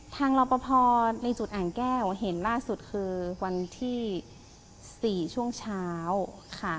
รอปภในจุดอ่างแก้วเห็นล่าสุดคือวันที่๔ช่วงเช้าค่ะ